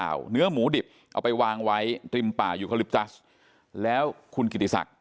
ของข่าวเนื้อหมูดิบเอาไปวางไว้ดริมป่าอยู่แล้วคุณกิติศักดิ์